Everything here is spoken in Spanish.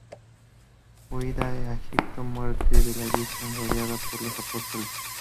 Huida a Egipto, muerte de la Virgen rodeada por los Apóstoles.